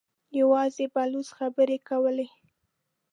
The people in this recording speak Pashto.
يواځې بلوڅ خبرې کولې.